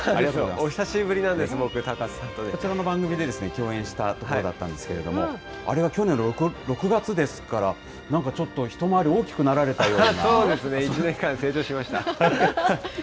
お久しぶりなんです、僕、高瀬さんと。こちらの番組で共演したところだったんですけど、あれは去年の６月ですから、なんかちょっと一回り大きくなられたような。